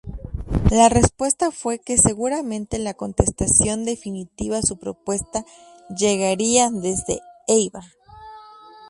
La respuesta fue que seguramente la contestación definitiva a su propuesta llegaría desde Éibar.